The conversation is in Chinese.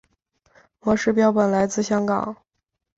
模式标本来自香港。